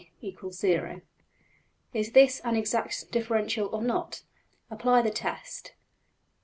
png}% Is this an exact differential or not? Apply the test.